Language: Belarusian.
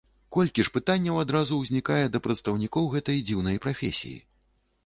Колькі ж пытанняў адразу узнікае да прадстаўнікоў гэтай дзіўнай прафесіі.